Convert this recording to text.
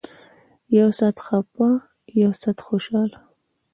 يو سات خپه يو سات خوشاله.